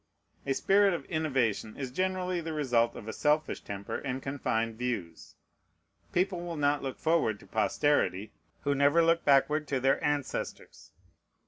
A spirit of innovation is generally the result of a selfish temper and confined views. People will not look forward to posterity, who never look backward to their ancestors.